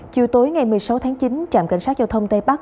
chiều tối ngày một mươi sáu tháng chín trạm cảnh sát giao thông tây bắc